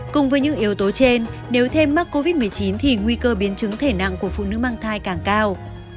cùng với những yếu tố trên nếu thêm mắc covid một mươi chín thì nguy cơ biến chứng thể nặng của phụ nữ mang thai càng cao